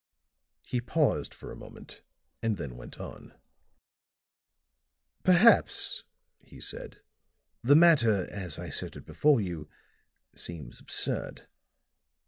He paused for a moment and then went on. "Perhaps," he said, "the matter, as I set it before you, seems absurd.